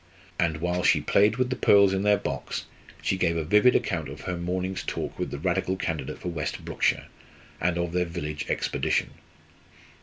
And while she played with the pearls in their box she gave a vivid account of her morning's talk with the Radical candidate for West Brookshire, and of their village expedition.